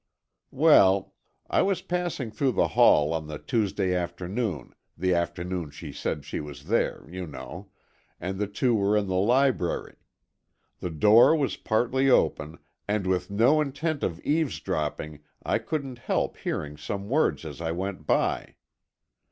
Well, I was passing through the hall on the Tuesday afternoon, the afternoon she said she was there, you know, and the two were in the library. The door was partly open, and with no intent of eavesdropping, I couldn't help hearing some words as I went by.